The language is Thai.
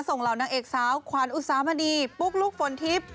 ส่งเหลานักเอกสาวควานอุตสาหมาดีปุ๊กลูกฝนทิพย์